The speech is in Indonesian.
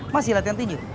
masih latihan tinju